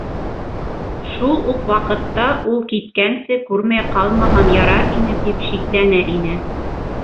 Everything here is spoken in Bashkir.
Шул уҡ ваҡытта, ул киткәнсе күрмәй ҡалмаһам ярар ине, тип шикләнә ине.